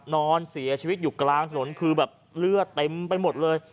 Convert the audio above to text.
นอนเสียชีวิตอยู่กลางถนนคือแบบเลือดเต็มไปหมดเลย